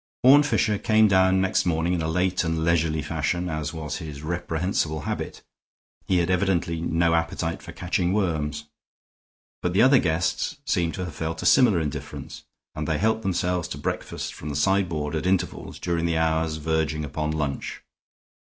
Horne Fisher came down next morning in a late and leisurely fashion, as was his reprehensible habit; he had evidently no appetite for catching worms. But the other guests seemed to have felt a similar indifference, and they helped themselves to breakfast from the sideboard at intervals during the hours verging upon lunch.